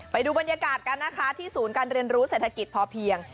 ไปดูบรรยากาศกันนะคะที่ศูนย์การเรียนรู้เศรษฐกิจพอเพียง